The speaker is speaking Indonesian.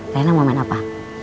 reina mau main apa